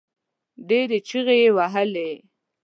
ډېرې چيغې يې وهلې.